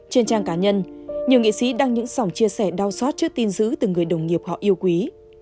trên trang cá nhân nhiều nghị sĩ đăng những sòng chia sẻ đau xót trước tin giữ từ người đồng nghiệp họ yêu quý